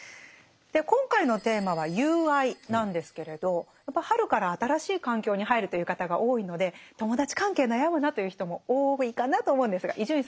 今回のテーマは「友愛」なんですけれどやっぱ春から新しい環境に入るという方が多いので友達関係悩むなという人も多いかなと思うんですが伊集院さんどうですか？